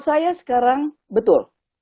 saya sekarang betul